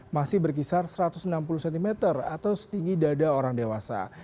masih berkisar satu ratus enam puluh cm atau setinggi dada orang dewasa